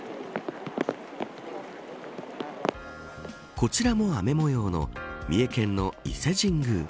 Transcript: こちらも雨模様の三重県の伊勢神宮。